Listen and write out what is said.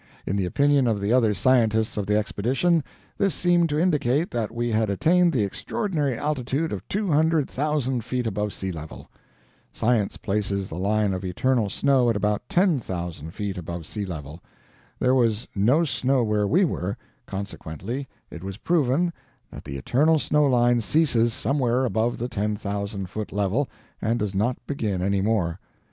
In the opinion of the other scientists of the Expedition, this seemed to indicate that we had attained the extraordinary altitude of two hundred thousand feet above sea level. Science places the line of eternal snow at about ten thousand feet above sea level. There was no snow where we were, consequently it was proven that the eternal snow line ceases somewhere above the ten thousand foot level and does not begin any more.